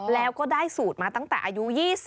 แล้วก็ได้สูตรมาตั้งแต่อายุ๒๐